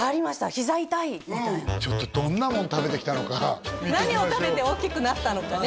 ひざ痛いみたいなどんなもん食べてきたのか何を食べて大きくなったのかね